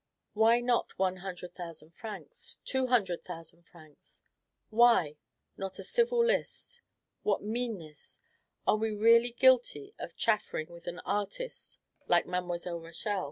Why not one hundred thousand francs, two hundred thousand francs? Why! not a civil list? What meanness! Are we really guilty of chaffering with an artist like Mademoiselle Rachel?